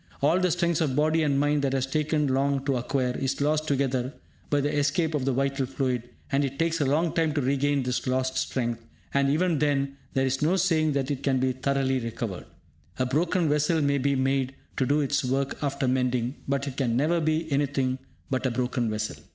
All the strength of body and mind that has taken long to acquire, is lost altogether by the escape of the vital fluid, and it takes a long time to regain this lost strength, and even then there is no saying that it can be thoroughly recovered. A broken vessel may be made to do its work after mending, but it can never be anything but a broken vessel.